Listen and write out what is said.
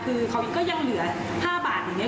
คือเขายังเหลือ๕บาทอย่างนี้